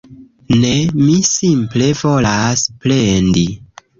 Ne, mi simple volas plendi